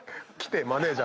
マネージャーが。